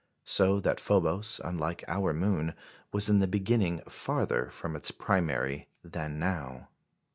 So that Phobos, unlike our moon, was in the beginning farther from its primary than now.